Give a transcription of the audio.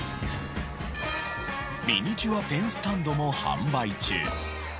ミニチュアペンスタンドも販売中。